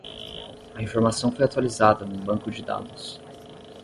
A informação foi atualizada no banco de dados.